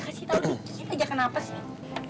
kasih tau dikit aja kenapa sih